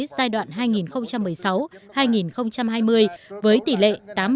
giai đoạn hai nghìn một mươi sáu hai nghìn hai mươi với tỷ lệ